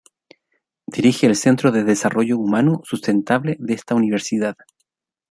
Dirige el Centro de Desarrollo Humano Sustentable de esta Universidad.